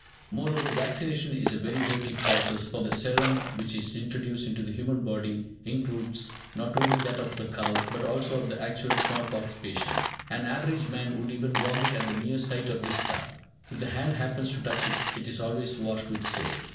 Moreover, vaccination is a very dirty process, for the serum which is introduced into the human body includes not only that of the cow, but also of the actual small pox patient. An average man would even vomit at the mere sight of this stuff. If the hand happens to touch it, it is always washed with soap.